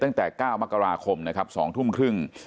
ตั้งแต่๙มกราคมนะครับ๒ทุ่มครึ่ง